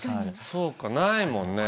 そうかないもんね。